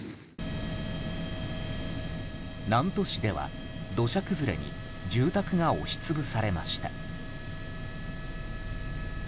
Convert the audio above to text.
南砺市では、土砂崩れに住宅が押しつぶされました。